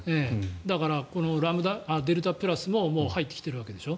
だからデルタプラスももう入ってきているわけでしょ。